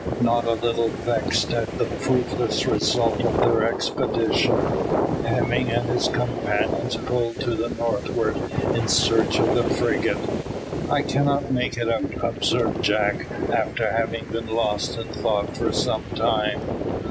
Not a little vexed at the fruitless result of their expedition, Hemming and his companions pulled to the northward in search of the frigate. "I cannot make it out," observed Jack, after having been lost in thought for some time.